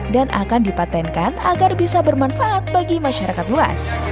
dan akan dipatenkan agar bisa bermanfaat bagi masyarakat luas